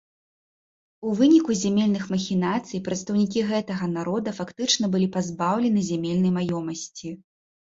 У выніку зямельных махінацый прадстаўнікі гэтага народа фактычна былі пазбаўлены зямельнай маёмасці.